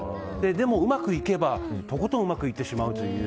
でも、うまくいけばとことんうまくいってしまうという。